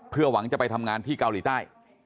เพื่อหวังจะไปทำงานที่เกาหลีใต้